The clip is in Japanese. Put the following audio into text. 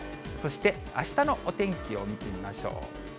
そしてあしたのお天気を見てみましょう。